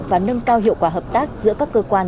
và nâng cao hiệu quả hợp tác giữa các cơ quan